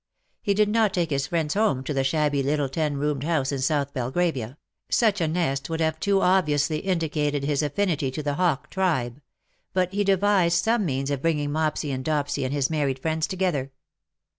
He did not take his friends home to the shabby little ten roomed house in South Belgravia — such a nest would have too obviously indicated his affinity to the hawk tribe — but he devised some means of bringing Mopsy and Dopsy and his married friends together.